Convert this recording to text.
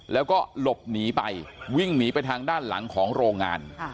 แล้วก็หลบหนีไปวิ่งหนีไปทางด้านหลังของโรงงาน